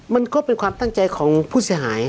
มันก็เป็นความตั้งใจของผู้เสียหาย